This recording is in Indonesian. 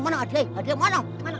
makin kaya sih junet